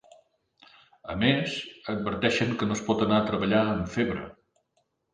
A més, adverteixen que no es pot anar a treballar amb febre.